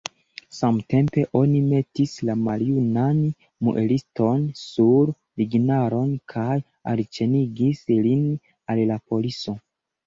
Samtempe oni metis la maljunan mueliston sur lignaron kaj alĉenigis lin al la paliso.